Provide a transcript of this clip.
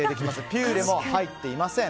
ピューレも入っていません。